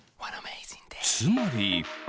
つまり。